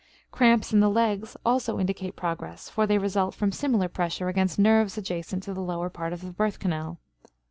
Cramps in the legs also indicate progress, for they result from similar pressure against nerves adjacent to the lower part of the birth canal.